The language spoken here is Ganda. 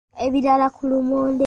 Ebirala ku lumonde.